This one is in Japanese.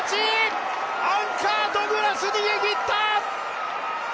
アンカー、ド・グラス、逃げ切った。